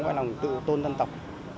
cái lòng tự tôn dân tộc